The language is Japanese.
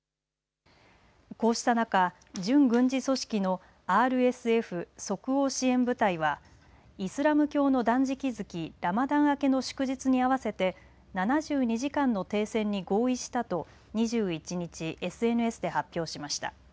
こうした中、準軍事組織のＲＳＦ、即応支援部隊はイスラム教の断食月ラマダン明けの祝日に合わせて７２時間の停戦に合意したと２１日、ＳＮＳで発表しました。